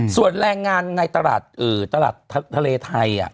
ส่วนแรงงานในตลาดทะเลไทย